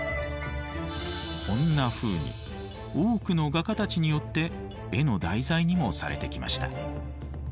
こんなふうに多くの画家たちによって絵の題材にもされてきました。